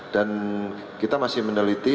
dan kita masih meneliti